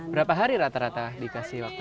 berapa hari rata rata dikasih waktu